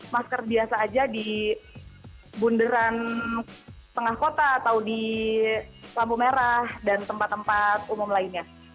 masker biasa aja di bunderan tengah kota atau di lampu merah dan tempat tempat umum lainnya